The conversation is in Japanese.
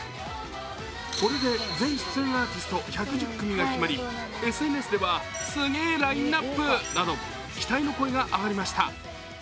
これで全出演アーティスト１１０組が決まりＳＮＳでは期待の声が上がりました。